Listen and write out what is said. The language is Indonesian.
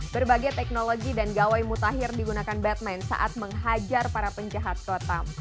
berbagai teknologi dan gawai mutakhir digunakan batman saat menghajar para penjahat kota